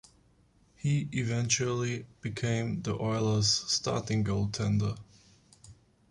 He eventually became the Oilers' starting goaltender.